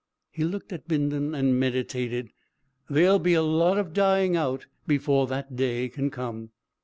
He looked at Bindon and meditated. "There'll be a lot of dying out before that day can come."